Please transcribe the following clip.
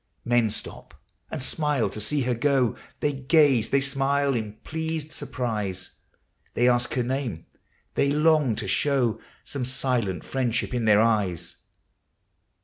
Men stop and smile to see her go; They gaze, they smile in pleased surprise; They ask her name; they long to show Some silent friendship in their eyes.